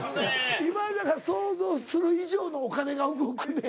今田が想像する以上のお金が動くねん。